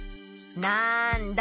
なんだ？